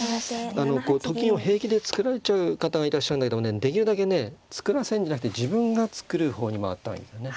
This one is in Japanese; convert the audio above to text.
と金を平気で作られちゃう方がいらっしゃるんだけどもねできるだけね作らせるんじゃなくて自分が作る方に回った方がいいんですよね。